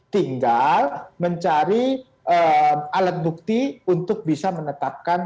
tinggal mencari alat bukti untuk bisa menetapkan